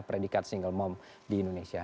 predikat single mom di indonesia